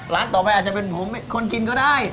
ต่อไปอาจจะเป็นผมคนกินก็ได้